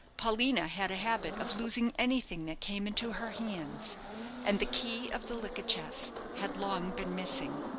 Paulina had a habit of losing anything that came into her hands, and the key of the liquor chest had long been missing.